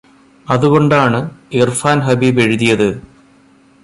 അതുകൊണ്ടാണു ഇര്ഫാന് ഹബീബ് എഴുതിയത്